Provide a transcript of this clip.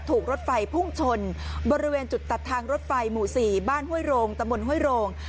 ถูกรถไฟพุ่งชนบริเวณจุดตัดทางรถไฟหมู่๔บ้านห้วยโรงตะมนต์ห้วยโรง